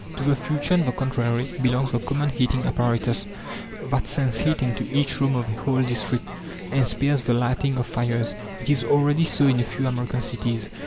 To the future, on the contrary, belongs the common heating apparatus that sends heat into each room of a whole district and spares the lighting of fires. It is already so in a few American cities.